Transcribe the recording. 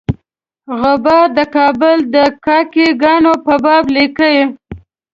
غبار د کابل د کاکه ګانو په باب لیکي.